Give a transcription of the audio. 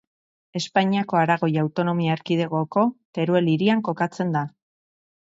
Espainiako Aragoi autonomia erkidegoko Teruel hirian kokatzen da.